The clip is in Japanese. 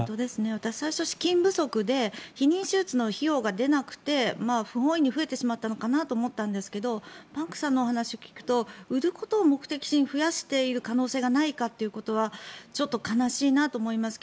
私、最初、資金不足で避妊手術の費用が出なくて不本意に増えてしまったのかと思ったんですけどパンクさんのお話を聞くと売ることを目的に増やしている可能性がないかということはちょっと悲しいなと思います。